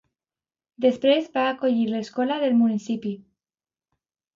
Després va acollir l'escola del municipi.